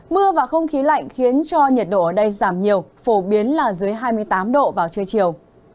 mưa và không khí lạnh khiến cho nhiệt độ ở đây giảm nhiều phổ biến là dưới hai mươi tám độ vào trưa chiều